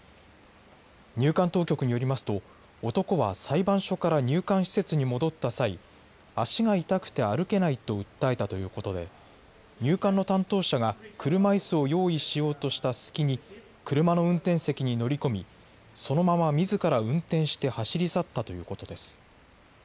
入管当局によりますと男は裁判所から入管施設に戻った際、足が痛くて歩けないと訴えたということで入管の担当者が車いすを用意しようとした隙に車の運転席に乗り込みそのままみずから運転して走り去ったということです。